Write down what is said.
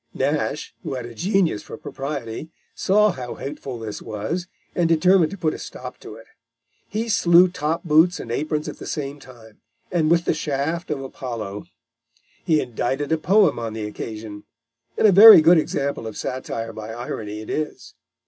Nash, who had a genius for propriety, saw how hateful this was, and determined to put a stop to it. He slew top boots and aprons at the same time, and with the shaft of Apollo. He indited a poem on the occasion, and a very good example of satire by irony it is.